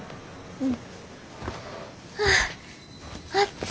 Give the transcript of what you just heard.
うん。